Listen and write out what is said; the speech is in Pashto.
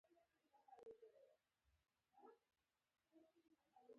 میرمن چې د رسیدو د زیري په انتظار کې شیبې شمیرلې.